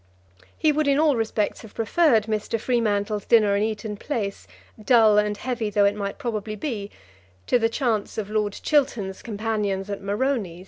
He would in all respects have preferred Mr. Freemantle's dinner in Eaton Place, dull and heavy though it might probably be, to the chance of Lord Chiltern's companions at Moroni's.